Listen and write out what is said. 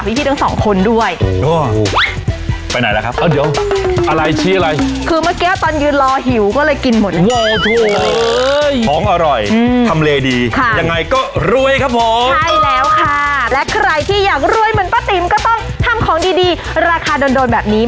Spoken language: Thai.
มีสุดเด็ดเท็จลับและแป้งเขาอร่อยมากแล้วที่สำคัญคือเขามีหลากหลายไส้